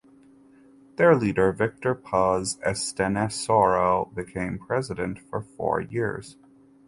Their leader Victor Paz Estenssoro became President for four years.